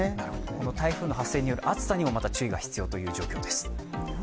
この台風の発生による暑さにもまた注意が必要という状況です。